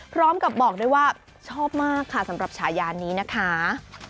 พร้อมกับบอกด้วยว่าชอบมากค่ะสำหรับฉายานี้นะคะ